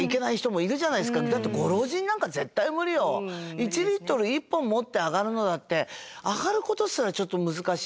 １リットル１本持って上がるのだって上がることすらちょっと難しい。